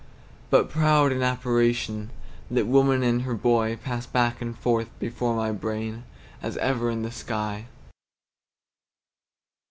But proud in apparition, That woman and her boy Pass back and forth before my brain, As ever in the sky.